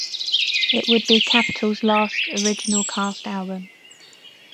It would be Capitol's last original cast album.